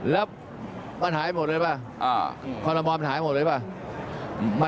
แล้วปิดะมนติไหลไหม